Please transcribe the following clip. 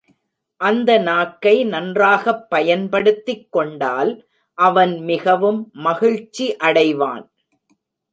அந்த நாக்கை நன்றாகப் பயன்படுத்திக் கொண்டால் அவன் மிகவும் மகிழ்ச்சி அடைவான்.